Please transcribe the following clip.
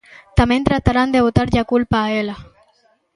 Tamén tratarán de botarlle a culpa a ela.